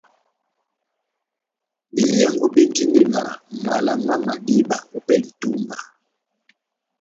Behiyango béndini na mala má madiba ópɛlɛ ya itúmba